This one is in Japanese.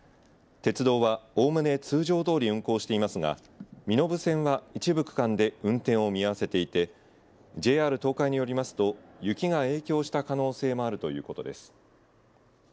鉄道はおおむね通常どおり運行していますが身延線は一部区間で運転を見合わせていてＪＲ東海によりますと雪が影響した可能性もあるということです。